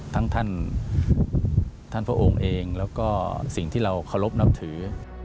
ท่านท่านพระองค์เองแล้วก็สิ่งที่เราเคารพนับถือ